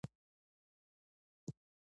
د افراطيت پر ځای د انساني نېکمرغۍ افکار پاللي دي.